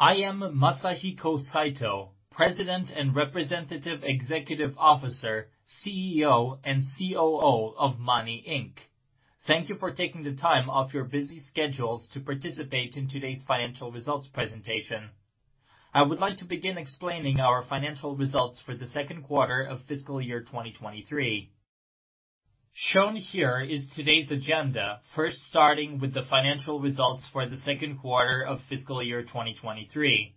I am Masahiko Saito, President and Representative Executive Officer, CEO and COO of MANI, INC. Thank you for taking the time off your busy schedules to participate in today's financial results presentation. I would like to begin explaining our financial results for the second quarter of fiscal year 2023. Shown here is today's agenda. First, starting with the financial results for the second quarter of fiscal year 2023.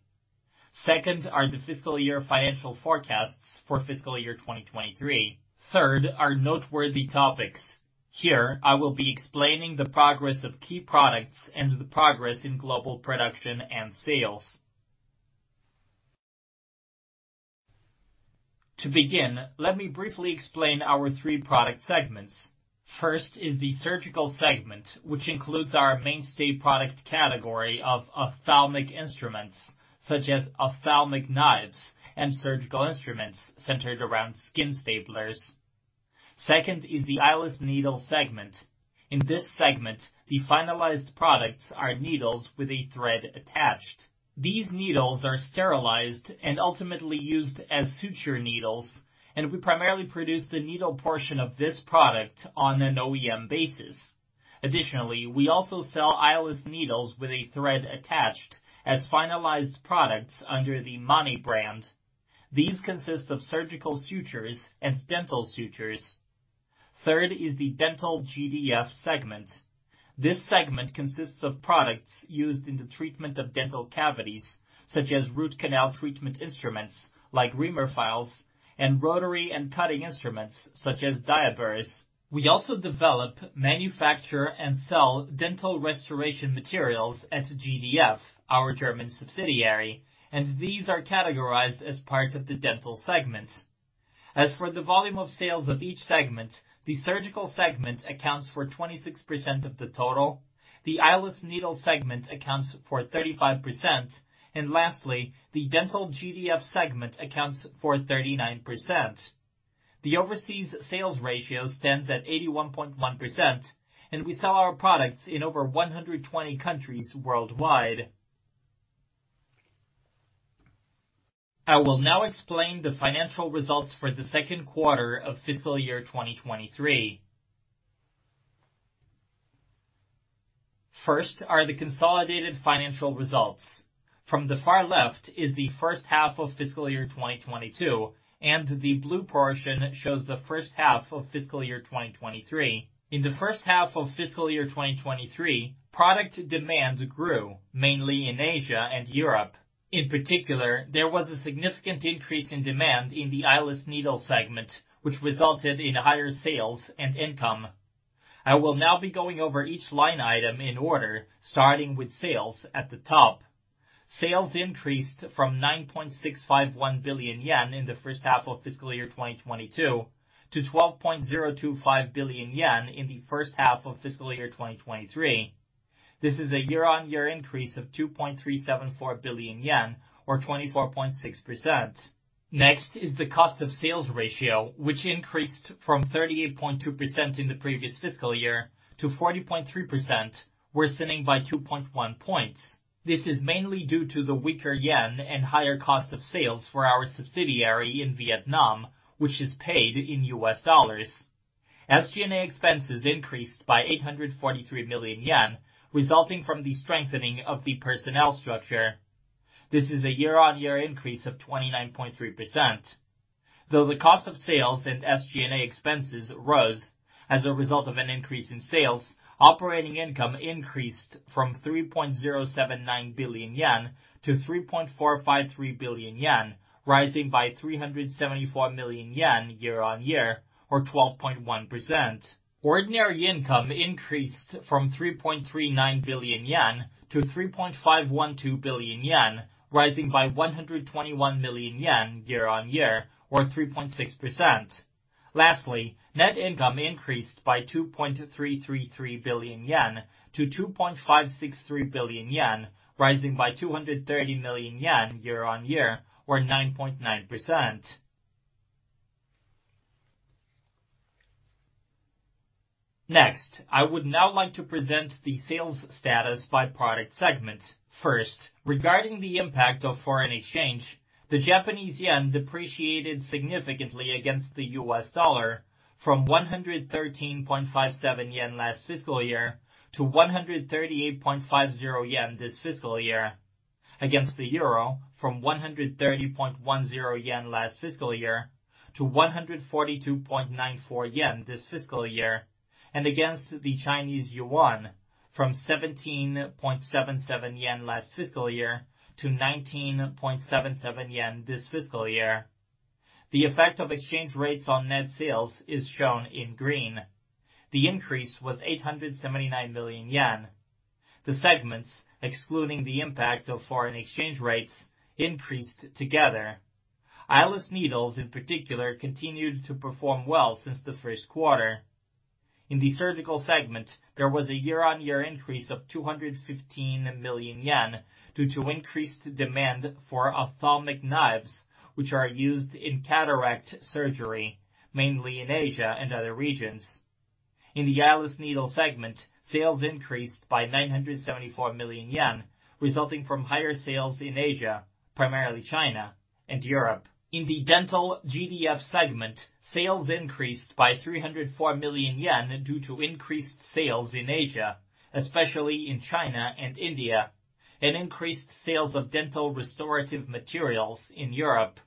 Second are the fiscal year financial forecasts for fiscal year 2023. Third are noteworthy topics. Here, I will be explaining the progress of key products and the progress in global production and sales. Let me briefly explain our three product segments. First is the Surgical segment, which includes our mainstay product category of ophthalmic instruments such as ophthalmic knives and surgical instruments centered around skin staplers. Second is the Eyeless Needle segment. In this segment, the finalized products are needles with a thread attached. These needles are sterilized and ultimately used as suture needles, we primarily produce the needle portion of this product on an OEM basis. We also sell eyeless needles with a thread attached as finalized products under the MANI brand. These consist of surgical sutures and dental sutures. Third is the Dental GDF segment. This segment consists of products used in the treatment of dental cavities such as root canal treatment instruments like reamers and files and rotary and cutting instruments such as DIA-BURS. We also develop, manufacture, and sell dental restoration materials at GDF, our German subsidiary, these are categorized as part of the dental segment. As for the volume of sales of each segment, the Surgical segment accounts for 26% of the total, the Eyeless Needle segment accounts for 35%, and lastly, the Dental GDF segment accounts for 39%. The overseas sales ratio stands at 81.1%. We sell our products in over 120 countries worldwide. I will now explain the financial results for the second quarter of fiscal year 2023. First are the consolidated financial results. From the far left is the first half of fiscal year 2022. The blue portion shows the first half of fiscal year 2023. In the first half of fiscal year 2023, product demand grew mainly in Asia and Europe. In particular, there was a significant increase in demand in the Eyeless Needle segment, which resulted in higher sales and income. I will now be going over each line item in order, starting with sales at the top. Sales increased from 9.651 billion yen in the first half of fiscal year 2022 to 12.025 billion yen in the first half of fiscal year 2023. This is a year-on-year increase of 2.374 billion yen or 24.6%. Next is the cost of sales ratio, which increased from 38.2% in the previous fiscal year to 40.3%, worsening by 2.1 points. This is mainly due to the weaker yen and higher cost of sales for our subsidiary in Vietnam, which is paid in U.S. dollars. SG&A expenses increased by 843 million yen, resulting from the strengthening of the personnel structure. This is a year-on-year increase of 29.3%. Though the cost of sales and SG&A expenses rose as a result of an increase in sales, operating income increased from 3.079 billion yen to 3.453 billion yen, rising by 374 million yen year-on-year or 12.1%. Ordinary income increased from 3.39 billion yen to 3.512 billion yen, rising by 121 million yen year-on-year or 3.6%. Lastly, net income increased by 2.333 billion yen to 2.563 billion yen, rising by 230 million yen year-on-year or 9.9%. Next, I would now like to present the sales status by product segment. First, regarding the impact of foreign exchange, the Japanese yen depreciated significantly against the U.S. dollar from 113.57 yen last fiscal year to 138.50 yen this fiscal year. Against the euro, from 130.10 yen last fiscal year to 142.94 yen this fiscal year. Against the Chinese yuan, from 17.77 yen last fiscal year to 19.77 yen this fiscal year. The effect of exchange rates on net sales is shown in green. The increase was 879 million yen. The segments, excluding the impact of foreign exchange rates, increased together. Eyeless needles in particular continued to perform well since the first quarter. In the Surgical segment, there was a year-on-year increase of 215 million yen due to increased demand for ophthalmic knives, which are used in cataract surgery, mainly in Asia and other regions. In the Eyeless Needle segment, sales increased by 974 million yen, resulting from higher sales in Asia, primarily China and Europe. In the Dental GDF segment, sales increased by 304 million yen due to increased sales in Asia, especially in China and India, and increased sales of dental restorative materials in Europe.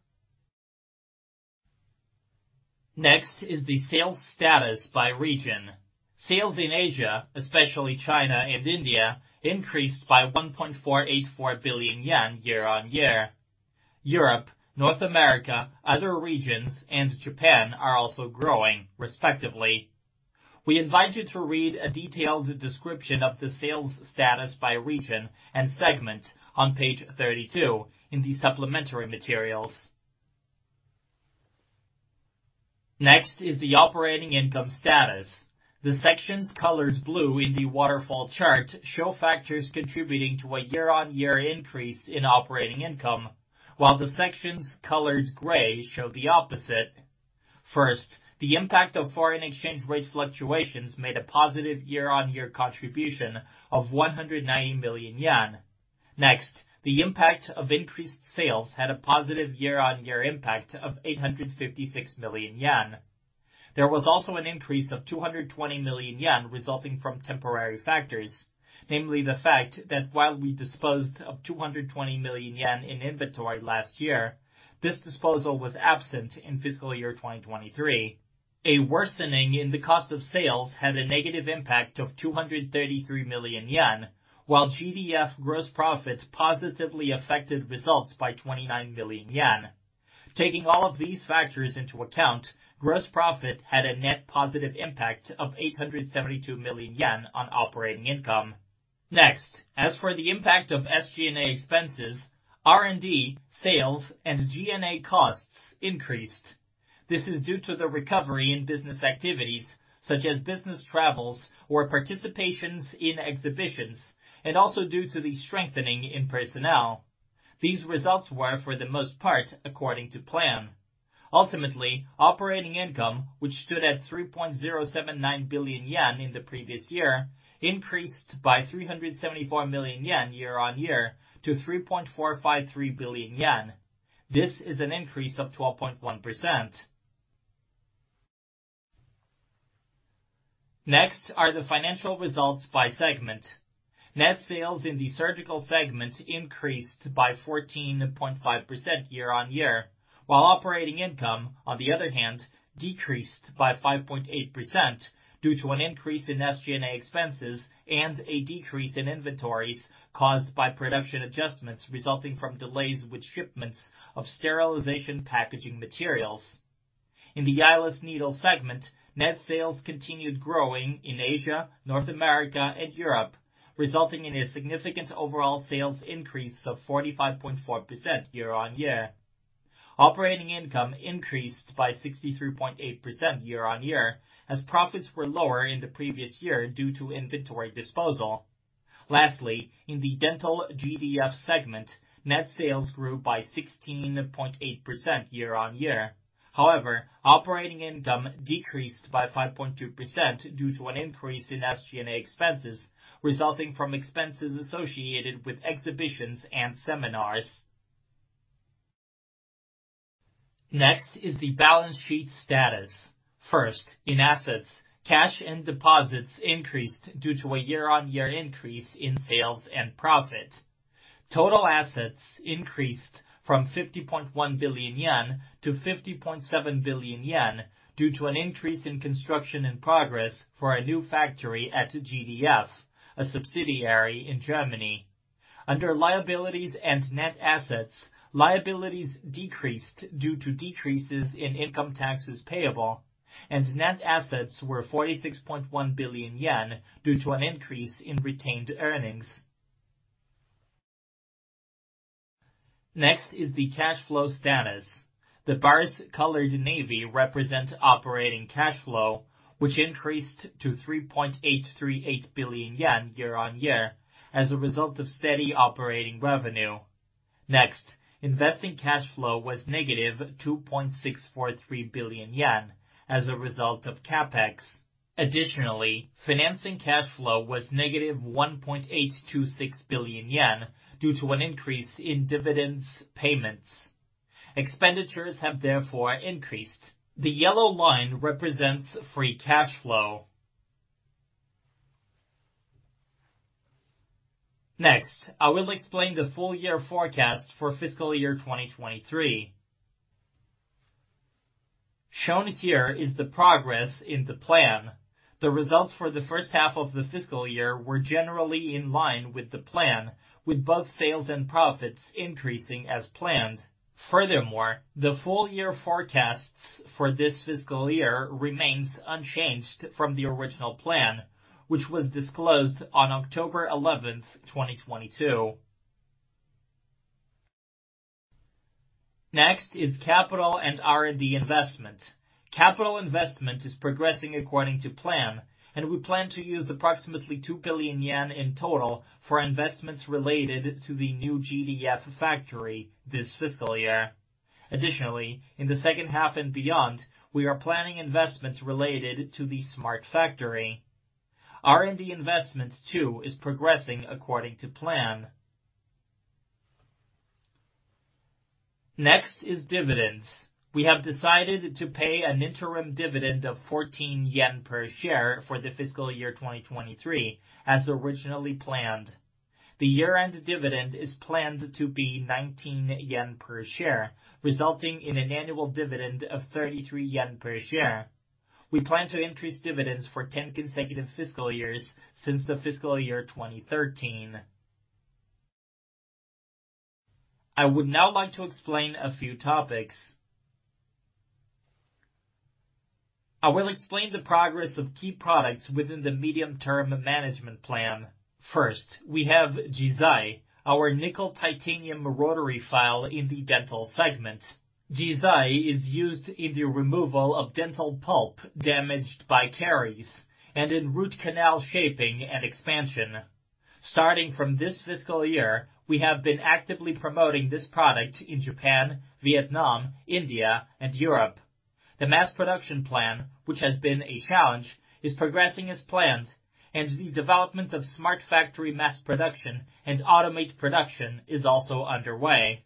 Next is the sales status by region. Sales in Asia, especially China and India, increased by 1.484 billion yen year-on-year. Europe, North America, other regions and Japan are also growing respectively. We invite you to read a detailed description of the sales status by region and segment on page 32 in the supplementary materials. Next is the operating income status. The sections colored blue in the waterfall chart show factors contributing to a year-on-year increase in operating income, while the sections colored gray show the opposite. First, the impact of foreign exchange rate fluctuations made a positive year-on-year contribution of JPY 190 million. Next, the impact of increased sales had a positive year-on-year impact of 856 million yen. There was also an increase of 220 million yen resulting from temporary factors, namely the fact that while we disposed of 220 million yen in inventory last year, this disposal was absent in fiscal year 2023. A worsening in the cost of sales had a negative impact of 233 million yen, while GDF gross profits positively affected results by 29 million yen. Taking all of these factors into account, gross profit had a net positive impact of 872 million yen on operating income. Next, as for the impact of SG&A expenses, R&D, sales, and G&A costs increased. This is due to the recovery in business activities such as business travels or participations in exhibitions, and also due to the strengthening in personnel. These results were for the most part according to plan. Ultimately, operating income, which stood at 3.079 billion yen in the previous year, increased by 374 million yen year-on-year to 3.453 billion yen. This is an increase of 12.1%. Next are the financial results by segment. Net sales in the Surgical segment increased by 14.5% year-on-year, while operating income, on the other hand, decreased by 5.8% due to an increase in SG&A expenses and a decrease in inventories caused by production adjustments resulting from delays with shipments of sterilization packaging materials. In the Eyeless Needle segment, net sales continued growing in Asia, North America, and Europe, resulting in a significant overall sales increase of 45.4% year-on-year. Operating income increased by 63.8% year-on-year as profits were lower in the previous year due to inventory disposal. Lastly, in the Dental GDF segment, net sales grew by 16.8% year-on-year. However, operating income decreased by 5.2% due to an increase in SG&A expenses resulting from expenses associated with exhibitions and seminars. Next is the balance sheet status. First, in assets, cash and deposits increased due to a year-on-year increase in sales and profit. Total assets increased from 50.1 billion-50.7 billion yen due to an increase in construction in progress for a new factory at GDF, a subsidiary in Germany. Under liabilities and net assets, liabilities decreased due to decreases in income taxes payable, and net assets were 46.1 billion yen due to an increase in retained earnings. Next is the cash flow status. The bars colored navy represent operating cash flow, which increased to 3.838 billion yen year-on-year as a result of steady operating revenue. Next, investing cash flow was negative 2.643 billion yen as a result of CapEx. Additionally, financing cash flow was negative 1.826 billion yen due to an increase in dividends payments. Expenditures have therefore increased. The yellow line represents free cash flow. I will explain the full year forecast for fiscal year 2023. Shown here is the progress in the plan. The results for the first half of the fiscal year were generally in line with the plan, with both sales and profits increasing as planned. The full year forecasts for this fiscal year remains unchanged from the original plan, which was disclosed on October 11, 2022. Capital and R&D investment. Capital investment is progressing according to plan, and we plan to use approximately 2 billion yen in total for investments related to the new GDF factory this fiscal year. In the second half and beyond, we are planning investments related to the smart factory. R&D investment too is progressing according to plan. Dividends. We have decided to pay an interim dividend of 14 yen per share for the fiscal year 2023, as originally planned. The year-end dividend is planned to be 19 yen per share, resulting in an annual dividend of 33 yen per share. We plan to increase dividends for 10 consecutive fiscal years since the fiscal year 2013. I would now like to explain a few topics. I will explain the progress of key products within the medium-term management plan. First, we have JIZAI, our nickel-titanium rotary file in the dental segment. JIZAI is used in the removal of dental pulp damaged by caries and in root canal shaping and expansion. Starting from this fiscal year, we have been actively promoting this product in Japan, Vietnam, India, and Europe. The mass production plan, which has been a challenge, is progressing as planned, and the development of smart factory mass production and automate production is also underway.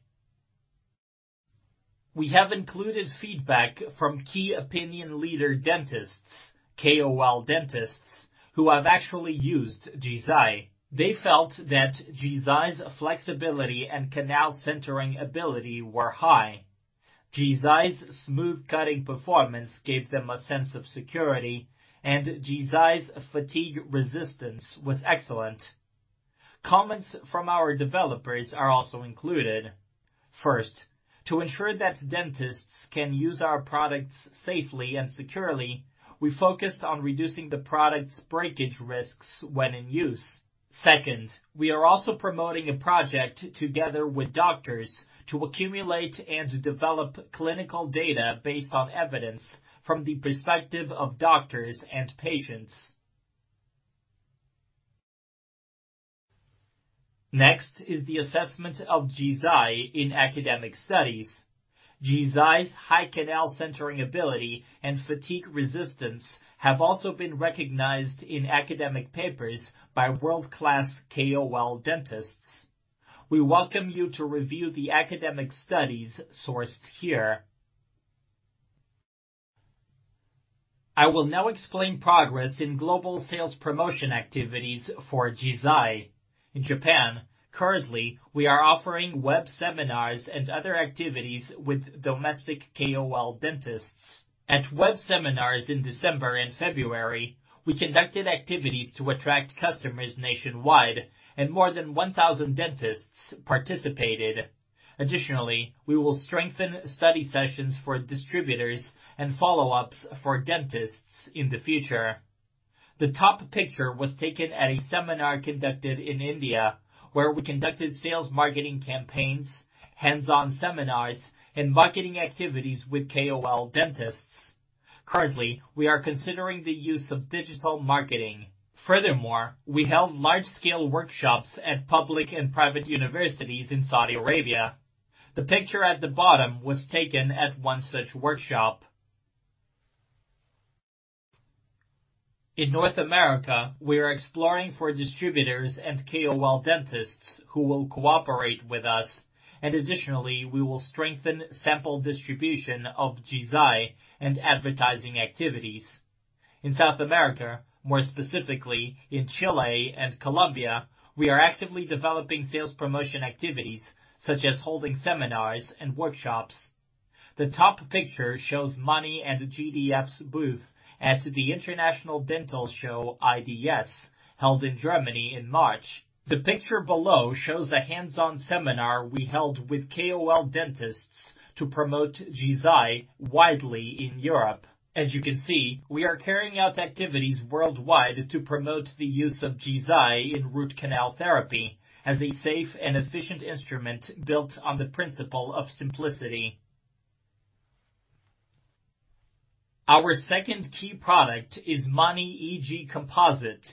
We have included feedback from key opinion leader dentists, KOL dentists, who have actually used JIZAI. They felt that JIZAI's flexibility and canal centering ability were high. JIZAI's smooth cutting performance gave them a sense of security, and JIZAI's fatigue resistance was excellent. Comments from our developers are also included. First, to ensure that dentists can use our products safely and securely, we focused on reducing the product's breakage risks when in use. Second, we are also promoting a project together with doctors to accumulate and develop clinical data based on evidence from the perspective of doctors and patients. Next is the assessment of JIZAI in academic studies. JIZAI's high canal centering ability and fatigue resistance have also been recognized in academic papers by world-class KOL dentists. We welcome you to review the academic studies sourced here. I will now explain progress in global sales promotion activities for JIZAI. In Japan, currently, we are offering web seminars and other activities with domestic KOL dentists. At web seminars in December and February, we conducted activities to attract customers nationwide and more than 1,000 dentists participated. We will strengthen study sessions for distributors and follow-ups for dentists in the future. The top picture was taken at a seminar conducted in India, where we conducted sales marketing campaigns, hands-on seminars, and marketing activities with KOL dentists. Currently, we are considering the use of digital marketing. We held large-scale workshops at public and private universities in Saudi Arabia. The picture at the bottom was taken at one such workshop. In North America, we are exploring for distributors and KOL dentists who will cooperate with us, and additionally, we will strengthen sample distribution of JIZAI and advertising activities. In South America, more specifically in Chile and Colombia, we are actively developing sales promotion activities, such as holding seminars and workshops. The top picture shows MANI and GDF's booth at the International Dental Show, IDS, held in Germany in March. The picture below shows a hands-on seminar we held with KOL dentists to promote JIZAI widely in Europe. As you can see, we are carrying out activities worldwide to promote the use of JIZAI in root canal therapy as a safe and efficient instrument built on the principle of simplicity. Our second key product is MANI EG Composite.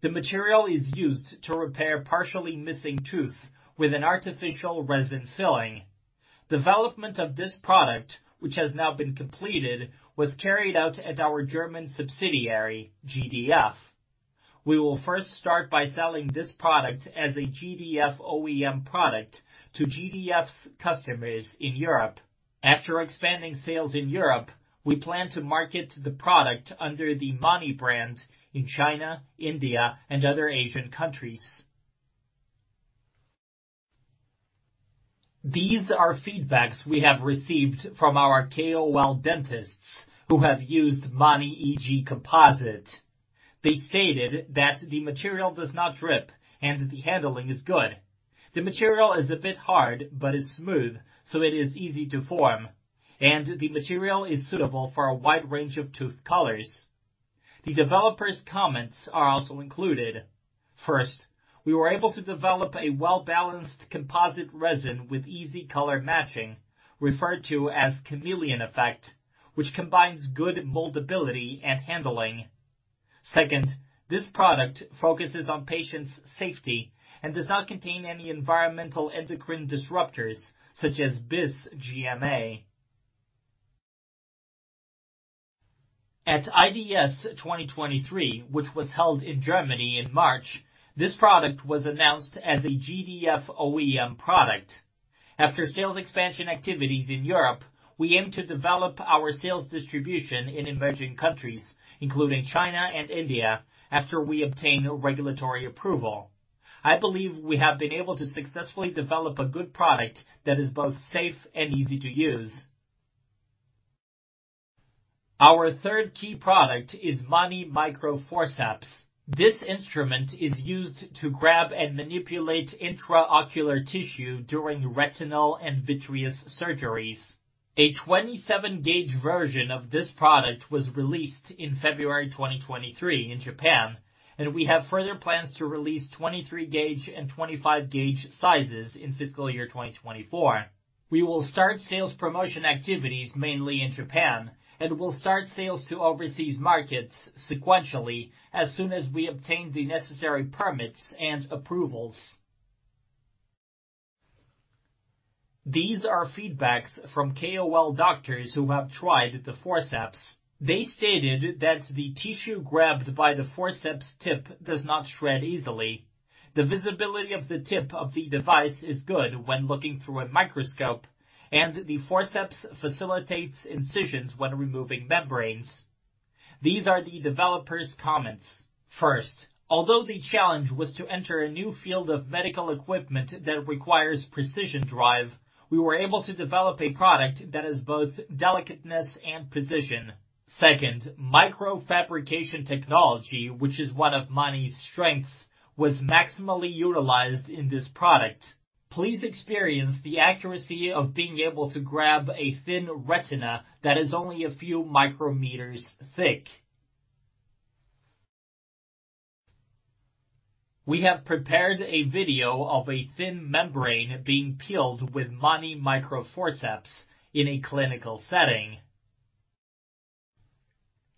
The material is used to repair partially missing tooth with an artificial resin filling. Development of this product, which has now been completed, was carried out at our German subsidiary, GDF. We will first start by selling this product as a GDF OEM product to GDF's customers in Europe. After expanding sales in Europe, we plan to market the product under the MANI brand in China, India, and other Asian countries. These are feedbacks we have received from our KOL dentists who have used MANI EG Composite. They stated that the material does not drip and the handling is good. The material is a bit hard but is smooth, so it is easy to form, and the material is suitable for a wide range of tooth colors. The developers' comments are also included. First, we were able to develop a well-balanced composite resin with easy color matching, referred to as chameleon effect, which combines good moldability and handling. Second, this product focuses on patients' safety and does not contain any environmental endocrine disruptors such as Bis-GMA. At IDS 2023, which was held in Germany in March, this product was announced as a GDF OEM product. After sales expansion activities in Europe, we aim to develop our sales distribution in emerging countries, including China and India, after we obtain regulatory approval. I believe we have been able to successfully develop a good product that is both safe and easy to use. Our third key product is MANI Micro Forceps. This instrument is used to grab and manipulate intraocular tissue during retinal and vitreous surgeries. A 27-gauge version of this product was released in February 2023 in Japan. We have further plans to release 23-gauge and 25-gauge sizes in fiscal year 2024. We will start sales promotion activities mainly in Japan and will start sales to overseas markets sequentially as soon as we obtain the necessary permits and approvals. These are feedbacks from KOL doctors who have tried the forceps. They stated that the tissue grabbed by the forceps tip does not shred easily. The visibility of the tip of the device is good when looking through a microscope, and the forceps facilitates incisions when removing membranes. These are the developer's comments. First, although the challenge was to enter a new field of medical equipment that requires precision drive, we were able to develop a product that is both delicateness and precision. Second, microfabrication technology, which is one of MANI's strengths, was maximally utilized in this product. Please experience the accuracy of being able to grab a thin retina that is only a few micrometers thick. We have prepared a video of a thin membrane being peeled with MANI Micro Forceps in a clinical setting.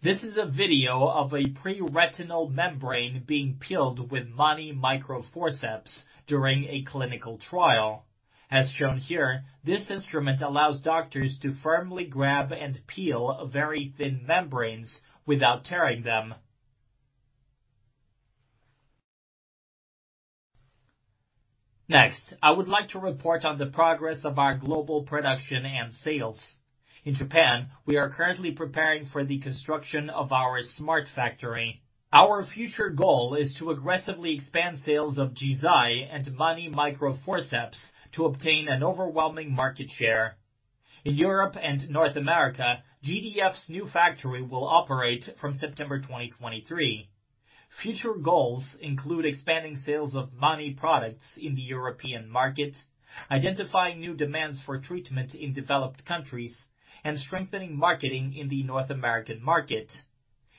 This is a video of a preretinal membrane being peeled with MANI Micro Forceps during a clinical trial. As shown here, this instrument allows doctors to firmly grab and peel very thin membranes without tearing them. I would like to report on the progress of our global production and sales. In Japan, we are currently preparing for the construction of our smart factory. Our future goal is to aggressively expand sales of JIZAI and MANI Micro Forceps to obtain an overwhelming market share. In Europe and North America, GDF's new factory will operate from September 2023. Future goals include expanding sales of MANI products in the European market, identifying new demands for treatment in developed countries, and strengthening marketing in the North American market.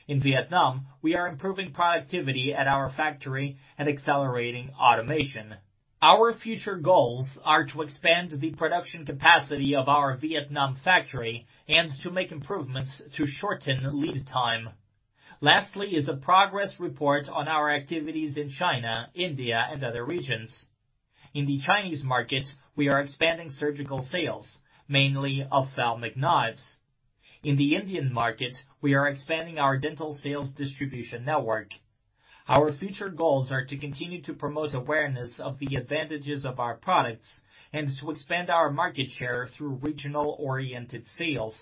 In Vietnam, we are improving productivity at our factory and accelerating automation. Our future goals are to expand the production capacity of our Vietnam factory and to make improvements to shorten lead time. Lastly is a progress report on our activities in China, India, and other regions. In the Chinese market, we are expanding surgical sales, mainly of ophthalmic knives. In the Indian market, we are expanding our dental sales distribution network. Our future goals are to continue to promote awareness of the advantages of our products and to expand our market share through regional-oriented sales.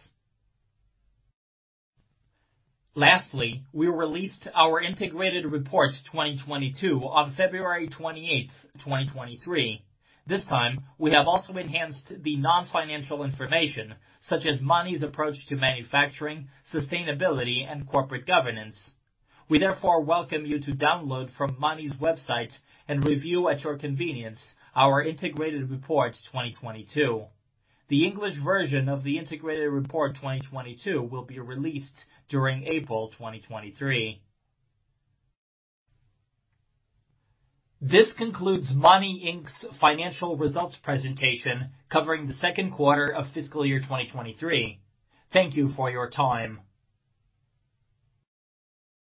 Lastly, we released our Integrated Report 2022 on February 28th, 2023. This time, we have also enhanced the non-financial information such as MANI's approach to manufacturing, sustainability, and corporate governance. We therefore welcome you to download from MANI's website and review at your convenience our Integrated Report 2022. The English version of the Integrated Report 2022 will be released during April 2023. This concludes MANI, INC.'s financial results presentation covering the second quarter of fiscal year 2023. Thank you for your time.